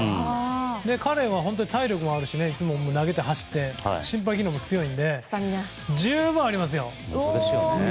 彼は本当に体力もあるしいつも投げて走って心肺機能も強いので十分ありますよ。